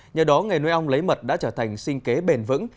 nhờ đó nghề nuôi ong lấy mật đã trở thành sinh kế bền vững